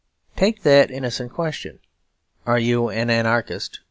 Take that innocent question, 'Are you an anarchist?'